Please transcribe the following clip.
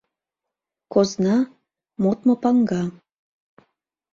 Козна — модмо паҥга.